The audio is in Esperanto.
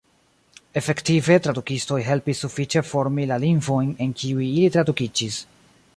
Efektive, tradukistoj helpis sufiĉe formi la lingvojn en kiuj ili tradukiĝis.